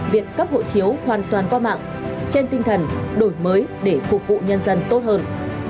việc cấp hộ chiếu hoàn toàn qua mạng trên tinh thần đổi mới để phục vụ nhân dân tốt hơn